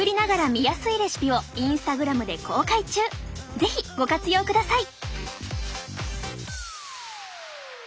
是非ご活用ください。